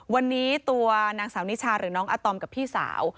วันนี้ตัวนางสาวนิชาหรือน้องอาตอมกับพี่สาว